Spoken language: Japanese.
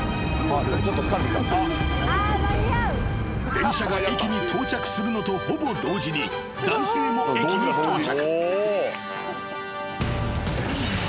［電車が駅に到着するのとほぼ同時に男性も駅に到着］